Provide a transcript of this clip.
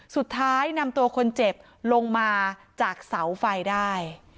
สุดท้ายนำตัวคนเจ็บลงมาจากเสาไฟได้